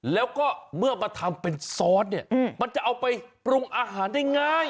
แล้วก็เมื่อมาทำเป็นซอสเนี่ยมันจะเอาไปปรุงอาหารได้ง่าย